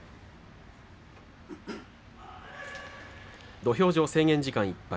土俵上、制限時間いっぱい。